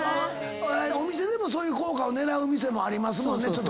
お店でもそういう効果を狙う店もありますもんね。